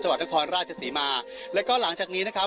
วัดนครราชศรีมาแล้วก็หลังจากนี้นะครับ